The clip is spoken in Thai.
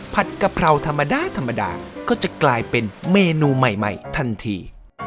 ผัดกะเพราธรรมดาก็จะกลายเป็นเมนูใหม่ทันที